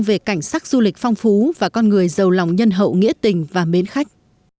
về cảnh sắc du lịch phong phú và con người giàu lòng nhân hậu nghĩa tình và mến khách